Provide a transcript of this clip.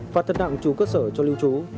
phạt thật nặng chủ cơ sở cho lưu trú